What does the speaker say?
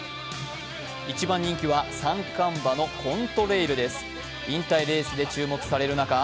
一番人気は三冠馬のコントレイルです。